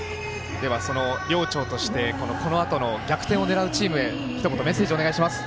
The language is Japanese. その寮長としてこのあとの逆転を狙うチームへひと言メッセージをお願いします。